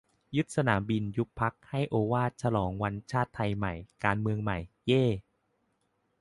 ยึดสนามบิน ยุบพรรค ให้โอวาท ฉลองวันชาติไทยใหม่ การเมืองใหม่ เย่ !